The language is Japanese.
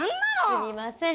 すみません